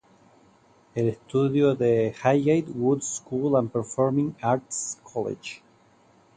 Estudió en el Highgate Wood School and Performing Arts College.